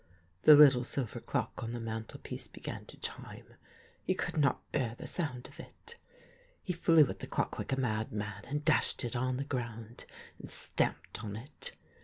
The little silver clock on the mantel piece began to chime ; he could not bear the sound of it. He flew at the clock like a madman, and dashed it on the ground, and stamped on it.